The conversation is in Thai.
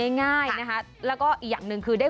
และอยากช่วยประชาสัมพันธ์ไป